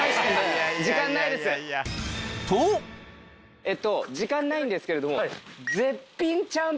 とえっと時間ないんですけれども。